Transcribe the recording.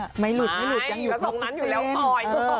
ไม่หลุดไม่หลุดยังอยู่ตรงนั้นไม่อยู่ตรงนั้นอยู่แล้วปล่อย